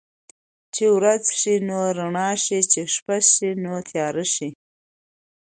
چې ورځ شي نو رڼا شي، چې شپه شي نو تياره شي.